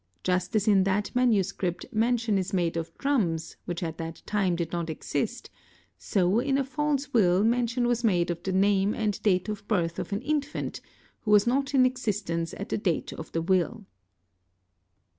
Just as in that manuscript mention is made of drums which at that time did not exist, so in a false will mention was made of the name and date of birth of an infant who was not in existence at the date of the will.